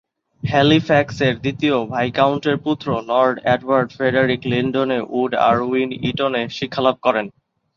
হ্যালিফ্যাক্সের দ্বিতীয় ভাইকাউন্টের পুত্র Lord Edward Frederick Lindley Wood Irwin ইটনে শিক্ষা লাভ করেন।